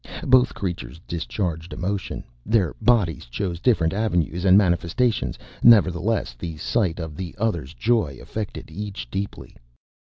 Both creatures discharged emotion; their bodies chose different avenues and manifestations. Nevertheless, the sight of the other's joy affected each deeply.